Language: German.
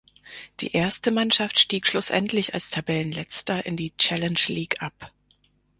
Die erste Mannschaft stieg schlussendlich als Tabellenletzter in die Challenge League ab.